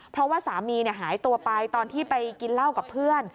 เพราะว่าสามีหายตัวไปตอนที่ไปกินเหล้ากับเพื่อน